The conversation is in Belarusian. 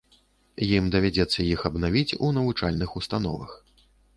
Ім давядзецца іх абнавіць у навучальных установах.